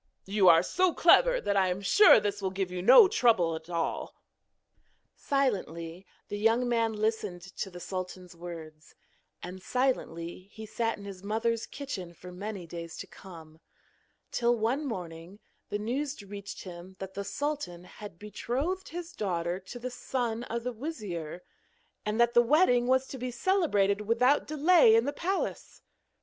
You are so clever that I am sure this will give you no trouble at all.' Silently the young man listened to the sultan's words, and silently he sat in his mother's kitchen for many days to come, till, one morning, the news reached him that the sultan had betrothed his daughter to the son of the wizir, and that the wedding was to be celebrated without delay in the palace.